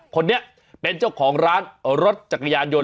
คนนี้เป็นเจ้าของร้านรถจักรยานยนต